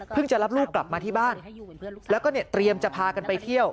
จะรับลูกกลับมาที่บ้านแล้วก็เนี่ยเตรียมจะพากันไปเที่ยว